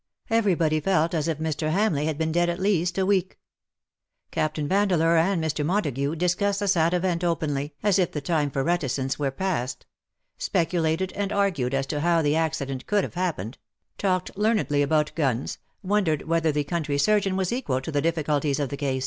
Everybody felt as if Mr. Hamleigh had been dead at least a week. Captain Vandeleur and Mr. Montagu discussed the sad event openly, as if the time for reticence were past ; speculated and argued as to how the accident could have happened; talked learnedly about guns ; wondered whether the country surgeon was equal to the difficulties of the case.